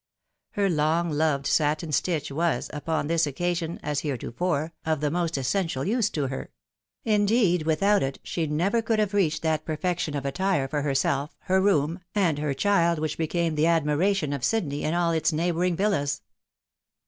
Her long loved satin stitch was, upon this occasion as heretofore, of the most essential use to her ; indeed, without it, she never could have reached that perfection of attire for her self, her room, and her child which became the admiration of Sydney and all its neighbouring villas.